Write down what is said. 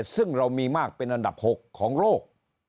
ซึ่งเรามีมากเป็นอันดับ๖ของโลก